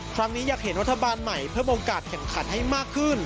ครั้งนี้อยากเห็นวัฒนภาพใหม่เพิ่มโอกาสแข่งขันให้มากขึ้น